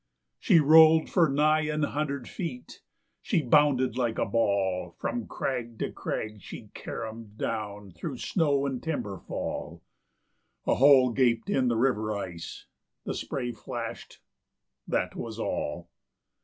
She rolled for nigh an hundred feet; she bounded like a ball; From crag to crag she carromed down through snow and timber fall; ... A hole gaped in the river ice; the spray flashed that was all.